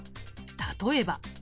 例えば。